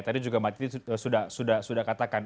tadi juga mbak titi sudah sudah sudah katakan